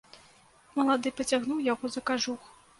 Малады пацягнуў яго за кажух.